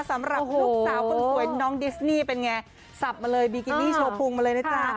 สำหรับลูกสาวคนสวยน้องดิสนี่เป็นไงสับมาเลยบิกินี่โชว์พุงมาเลยนะจ๊ะ